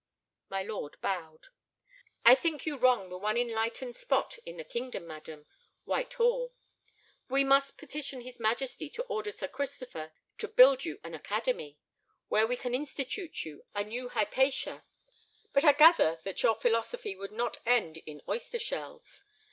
My lord bowed. "I think you wrong the one enlightened spot in the kingdom, madam—Whitehall. We must petition his Majesty to order Sir Christopher to build you an academy, where we can institute you a new Hypatia. But I gather that your philosophy would not end in oyster shells.